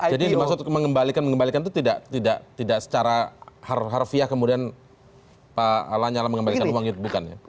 jadi maksud mengembalikan mengembalikan itu tidak secara harfiah kemudian pak nyala mengembalikan uang itu